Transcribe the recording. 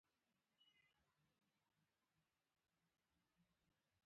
انګلیسي د نوښت ژبه ده